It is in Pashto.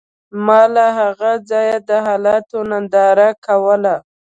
ما له هغه ځایه د حالاتو ننداره کوله